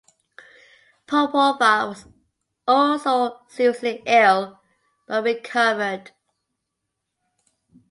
Popova was also seriously ill but recovered.